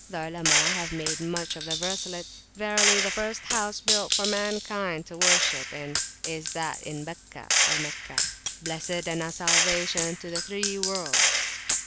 The Olema have made much of the verselet: Verily the first house built for mankind (to worship in) is that in Bakkah[FN#65] (Meccah), blessed and a salvation to the three worlds.